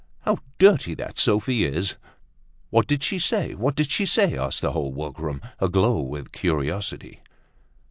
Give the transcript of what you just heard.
"How dirty that Sophie is!" "What did she say? What did she say?" asked the whole workroom, aglow with curiosity.